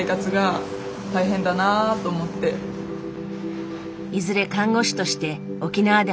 いずれ看護師として沖縄で働くつもり。